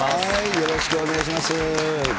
よろしくお願いします。